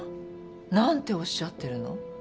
何ておっしゃってるの？